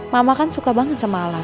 mama kan suka banget sama ala